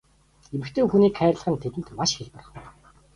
Эмэгтэй хүнийг хайрлах нь тэдэнд маш хялбархан.